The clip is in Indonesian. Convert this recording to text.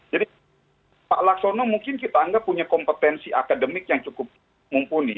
jadi pak laksono mungkin kita anggap punya kompetensi akademik yang cukup mumpuni